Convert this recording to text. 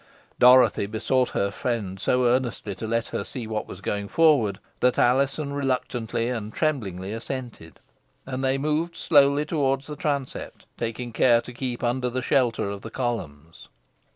Dorothy besought her friend so earnestly to let her see what was going forward, that Alizon reluctantly and tremblingly assented, and they moved slowly towards the transept, taking care to keep under the shelter of the columns.